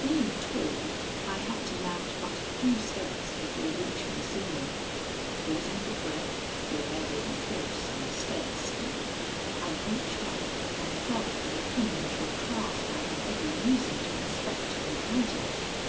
Being tall, I had to mount but a few steps before reaching the ceiling. Pausing for breath, the air being close and the stairs steep, I reached up and felt for the hinge or clasp I had every reason to expect to encounter.